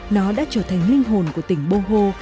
nó đã trở thành linh hồn của tỉnh boho